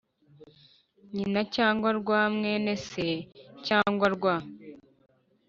nyina cyangwa rwa mwene se cyangwa rwa